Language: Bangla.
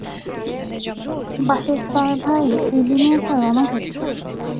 বাশেসার ভাই, এই দুনিয়া একটা রণক্ষেত্র।